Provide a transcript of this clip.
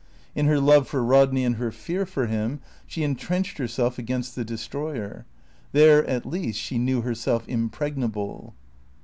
In her love for Rodney and her fear for him she entrenched herself against the destroyer. There at least she knew herself impregnable.